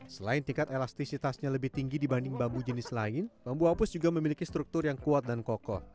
selain tingkat elastisitasnya lebih tinggi dibanding bambu jenis lain bambu hapus juga memiliki struktur yang kuat dan kokoh